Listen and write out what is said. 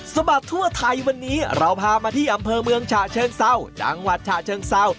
บัดทั่วไทยวันนี้เราพามาที่อำเภอเมืองฉะเชิงเศร้าจังหวัดฉะเชิงเศร้า